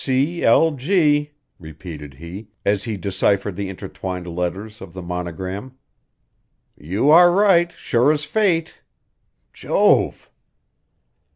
"C. L. G.," repeated he, as he deciphered the intertwined letters of the monogram. "You are right, sure as fate! Jove!"